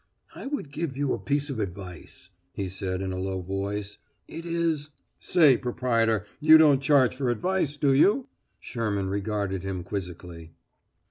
"I would give you a piece of advice," he said in a low voice. "It is " "Say, proprietor; you don't charge for advice, do you?" Sherman regarded him quizzically.